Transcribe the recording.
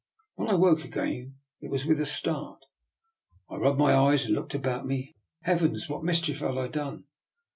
When I woke again it was with a start. I rubbed my eyes and looked about me. Heavens! What mischief had I done?